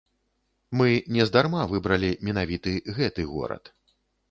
Мы нездарма выбралі менавіты гэты горад.